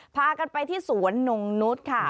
พากันไปที่สวนนงนุษย์ค่ะ